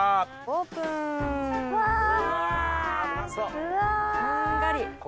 こんがり。